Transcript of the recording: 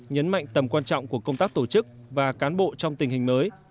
nhấn mạnh tầm quan trọng của công tác tổ chức và cán bộ trong tình hình mới